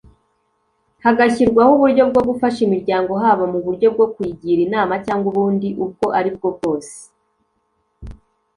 hagashyirwaho uburyo bwo gufasha imiryango haba mu buryo bwo kuyigira inama cyangwa ubundi ubwo aribwo bwose